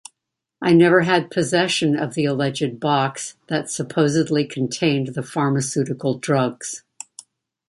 I never had possession of the alleged box that supposedly contained the pharmaceutical drugs.